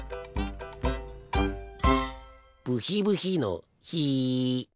ブヒブヒのヒ。